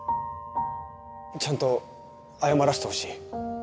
ちゃんと謝らせてほしい。